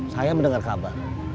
saya mendengar kabar